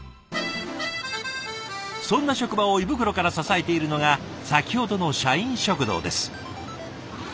そんな職場を胃袋から支えているのが先ほどの社員食堂です。